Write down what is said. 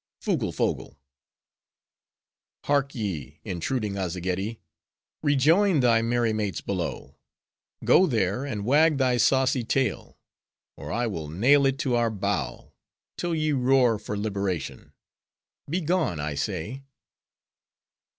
"Fugle fogle—" "Hark ye, intruding Azzageddi! rejoin thy merry mates below;—go there, and wag thy saucy tail; or I will nail it to our bow, till ye roar for liberation. Begone, I say."